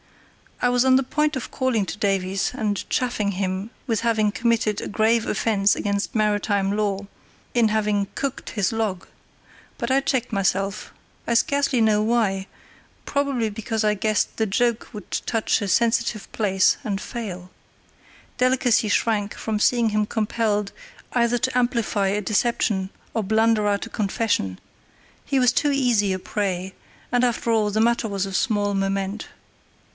I was on the point of calling to Davies, and chaffing him with having committed a grave offence against maritime law in having "cooked" his log; but I checked myself, I scarcely know why, probably because I guessed the joke would touch a sensitive place and fail. Delicacy shrank from seeing him compelled either to amplify a deception or blunder out a confession—he was too easy a prey; and, after all, the matter was of small moment.